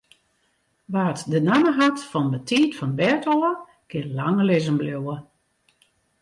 Wa't de namme hat fan betiid fan 't bêd ôf, kin lang lizzen bliuwe.